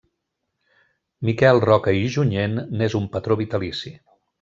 Miquel Roca i Junyent n'és un patró vitalici.